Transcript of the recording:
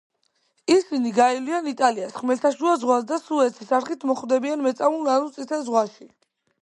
ისინი გაივლიან იტალიას, ხმელთაშუა ზღვას და სუეცის არხით მოხვდებიან მეწამულ ანუ წითელ ზღვაში.